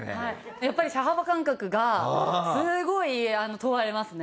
やっぱり車幅感覚がすごい問われますね。